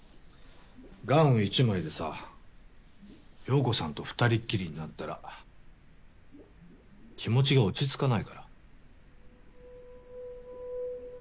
ガウン１枚でさ陽子さんと２人っきりになったら気持ちが落ち着かないから。